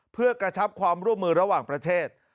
เพื่อกระชับความร่วมมือระหว่างประเทศ